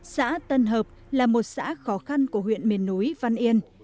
xã tân hợp là một xã khó khăn của huyện miền núi văn yên